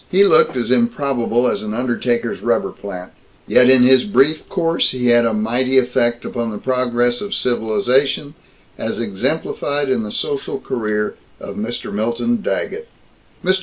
He looked as improbable as an undertaker's rubber plant. Yet in his brief course he had a mighty effect upon the progress of civilization as exemplified in the social career of Mr. Milton Daggett. Mr.